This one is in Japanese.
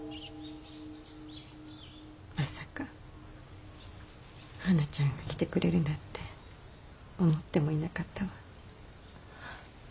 まさかはなちゃんが来てくれるなんて思ってもいなかったわ。